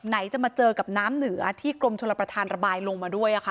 จะมาเจอกับน้ำเหนือที่กรมชลประธานระบายลงมาด้วย